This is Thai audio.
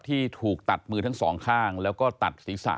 ที่ถูกตัดมือทั้งสองข้างแล้วก็ตัดศีรษะ